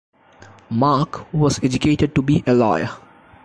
Marc was educated to be a lawyer.